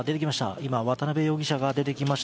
今、渡邉容疑者が出てきました。